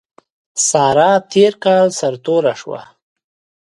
سارا تېر کال سر توره شوه.